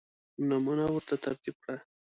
نمونه ورته ترتیب کړه.